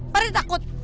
pak rt takut